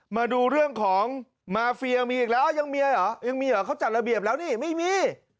มาดูเรื่องของมาเฟียมีอีกแล้วยังเมียเหรอยังมีเหรอเขาจัดระเบียบแล้วนี่ไม่มี